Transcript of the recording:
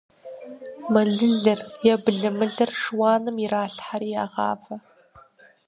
Мэлылыр е былымылыр шыуаным иралъхьэри ягъавэ.